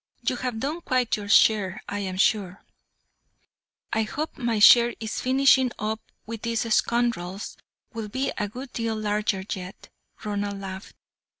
"You have done quite your share, I am sure." "I hope my share in finishing up with these scoundrels will be a good deal larger yet," Ronald laughed.